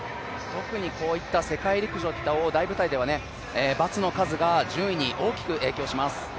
特にこういった世界陸上といった大舞台では×の数が順位に大きく影響します。